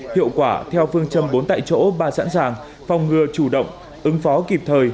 hiệu quả theo phương châm bốn tại chỗ ba sẵn sàng phòng ngừa chủ động ứng phó kịp thời